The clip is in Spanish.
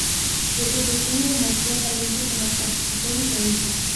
Desde pequeño, demostró talento como compositor y pianista.